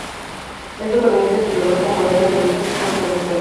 Esto permite al jugador componer melodías ciclo transitorio.